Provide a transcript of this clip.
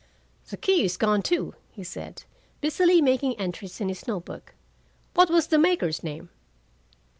"The key is gone, too," he said, busily making entries in his note book. "What was the maker's name?"